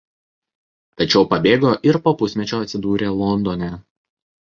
Tačiau pabėgo ir po pusmečio atsidūrė Londone.